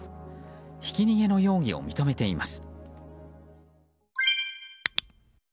ひき逃げの容疑を認めています。